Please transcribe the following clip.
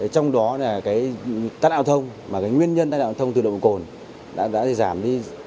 trong đó là cái tắt giao thông mà cái nguyên nhân tắt giao thông từ độ cồn đã giảm đi